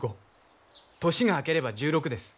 １５。年が明ければ１６です。